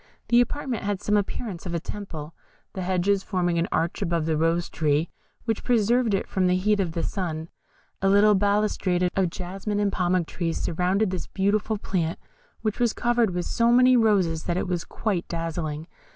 This apartment had some appearance of a temple, the hedges forming an arch above the Rose tree, which preserved it from the heat of the sun; a little balustrade of jasmine and pomegranate trees surrounded this beautiful plant, which was covered with so many roses that it was quite dazzling.